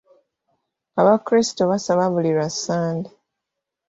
Abakrisito basaba buli lwa Sande.